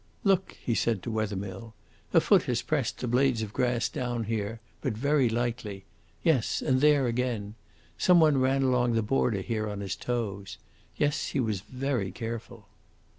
"Look!" he said to Wethermill; "a foot has pressed the blades of grass down here, but very lightly yes, and there again. Some one ran along the border here on his toes. Yes, he was very careful."